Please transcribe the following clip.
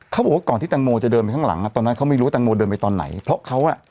เขาบอกว่าก่อนที่แตงโมจะเดินไปข้างหลังอ่ะตอนนั้นเขาไม่รู้ว่าแตงโมเดินไปตอนไหนเพราะเขาอ่ะ